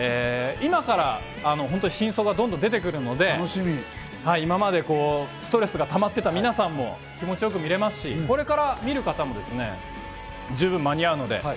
今からどんどん真相が出てくるので、今までストレスがたまってた皆さんも気持ちよく見られますし、これから見る方も十分間に合うので。